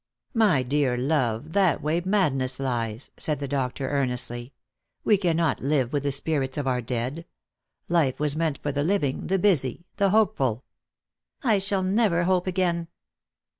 " My dear love, that way madness lies," said the doctor earnestly. " We cannot live with the spirits of our dead. Life was meant for the living, the busy, the hopeful." " I shall never hope again."